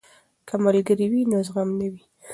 که ملګری وي نو غم نه وي.